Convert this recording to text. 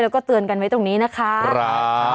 แล้วก็เตือนกันไว้ตรงนี้นะคะ